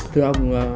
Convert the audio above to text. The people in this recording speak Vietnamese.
thưa ông tuấn